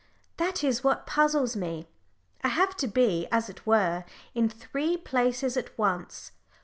That is what puzzles me. I have to be, as it were, in three places at once.